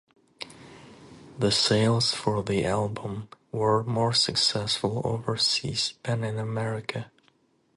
The sales for the album were more successful overseas than in America.